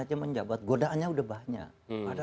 aja menjabat godaannya udah banyak pada